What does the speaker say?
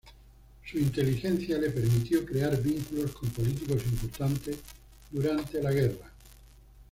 Su inteligencia le permitió crear vínculos con políticos importantes durante la Guerra.